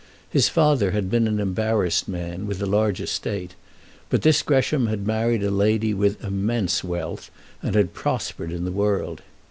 His father had been an embarrassed man, with a large estate; but this Gresham had married a lady with immense wealth, and had prospered in the world.